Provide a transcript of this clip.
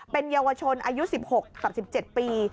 เป็นเยาวชนอายุ๑๖กับ๑๗ปี